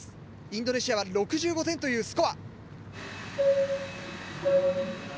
インドネシアは６５点というスコア。